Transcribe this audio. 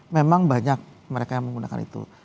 memang banyak mereka yang menggunakan itu